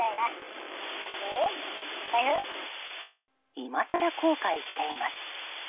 今さら後悔しています。